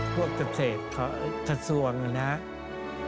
พวกเศรษฐ์ทัศวงศ์นะครับ